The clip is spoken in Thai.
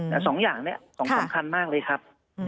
แต่สองอย่างนี้สำคัญมากเลยครับ